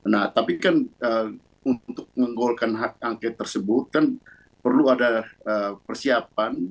nah tapi kan untuk menggolkan hak angket tersebut kan perlu ada persiapan